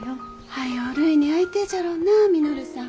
早うるいに会いてえじゃろうな稔さん。